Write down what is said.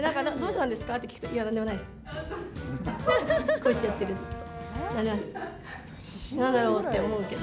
こうやってやってる、ずっと。